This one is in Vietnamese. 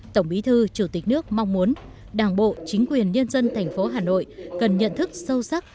tổng bí thư chủ tịch nước mong muốn đảng bộ chính quyền nhân dân thành phố hà nội cần nhận thức sâu sắc